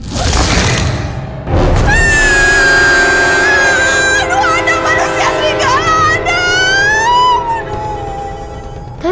aduh adam manusia serigala adam